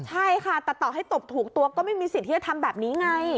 ใช่ค่ะแต่ต่อให้ตบถูกตัวก็ไม่มีสิทธิ์ที่จะทำแบบนี้ไง